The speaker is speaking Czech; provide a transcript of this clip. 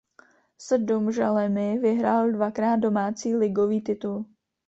S Domžalemi vyhrál dvakrát domácí ligový titul.